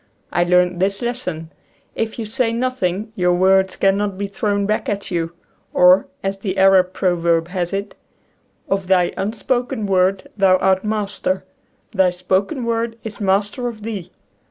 I learned this lesson: If you say nothing your words cannot bo thrown back at you. Or, as the Arab proverb has it :" Of thy unspoken word thou art master; thy spoken word is master of thee."